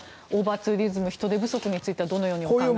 ツーリズム人手不足についてはどのようにお考えですか。